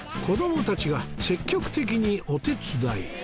子どもたちが積極的にお手伝い